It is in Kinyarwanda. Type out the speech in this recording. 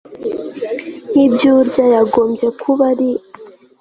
nkibyo urya yagombye kuba ari